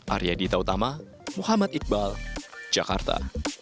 arya dita utama muhammad iqbal jakarta